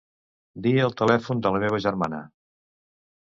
Dir el telèfon de la meva germana.